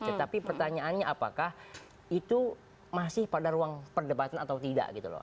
tetapi pertanyaannya apakah itu masih pada ruang perdebatan atau tidak gitu loh